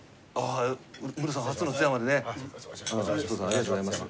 ありがとうございます。